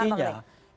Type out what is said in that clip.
silahkan pak mbak